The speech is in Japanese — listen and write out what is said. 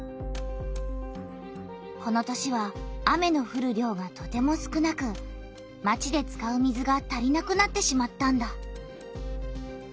この年は雨のふる量がとても少なくまちで使う水が足りなくなってしまったんだ。